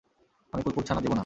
আমি কুকুরছানা দেব না!